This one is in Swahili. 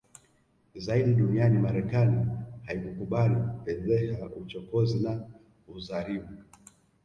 zaidi duniani Marekani haikukubali fedheha uchokozi na udhalimu